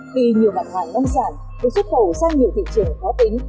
khi nhiều mặt hàng nông sản được xuất khẩu sang nhiều thị trường khó tính